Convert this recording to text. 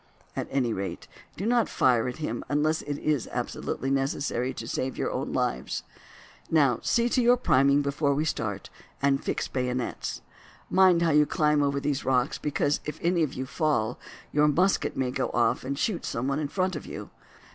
"At any rate, do not fire at him unless it is absolutely necessary to save your own lives. Now see to your priming before we start, and fix bayonets. Mind how you climb over these rocks, because if any of you fall, your musket may go off and shoot someone in front of you.